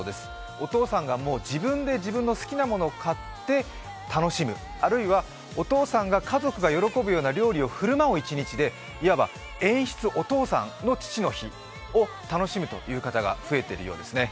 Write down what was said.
お父さんが自分で自分の好きなものを買って楽しむ、あるいはお父さんが家族が喜ぶような料理を振る舞う一日でいわば演出お父さんの父の日を楽しむという方が増えているようですね。